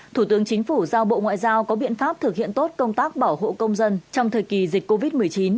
thủ tướng chính phủ giao bộ ngoại giao có biện pháp thực hiện tốt công tác bảo hộ công dân trong thời kỳ dịch covid một mươi chín